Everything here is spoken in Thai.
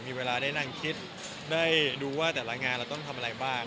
มีเวลาได้นั่งคิดได้ดูว่าแต่ละงานเราต้องทำอะไรบ้าง